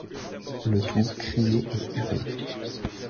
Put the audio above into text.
Le tout criait et hurlait.